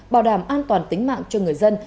bảo đảm an toàn tính mạng cho người dân